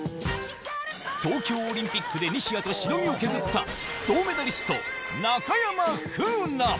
東京オリンピックで西矢としのぎを削った銅メダリスト、中山楓奈。